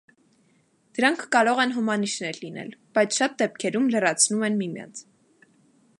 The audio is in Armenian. Դրանք կարող են հոմանիշներ լինել, բայց շատ դեպքերում լրացնում են միմյանց։